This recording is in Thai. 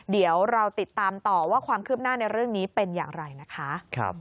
เดี๋ยวเราติดตามต่อว่าความคืบหน้าในเรื่องนี้เป็นอย่างไรนะคะ